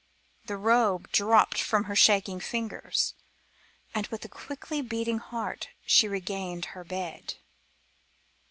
The robe dropped from her shaking fingers, and with a quickly beating heart she regained her bed.